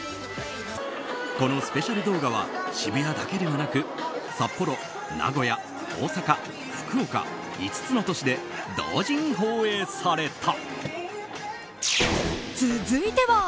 このスペシャル動画は渋谷だけではなく札幌、名古屋、大阪、福岡５つの都市で同時に放映された。